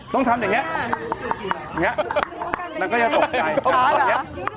ต้องทำอย่างเงี้ย